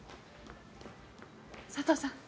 佐藤さん。